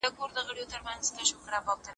په ژوند کي باید زړور واوسې.